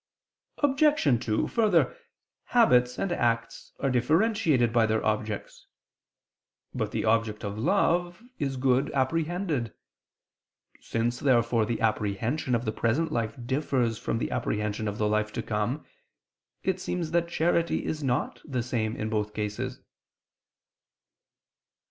Obj. 2: Further, habits and acts are differentiated by their objects. But the object of love is good apprehended. Since therefore the apprehension of the present life differs from the apprehension of the life to come, it seems that charity is not the same in both cases.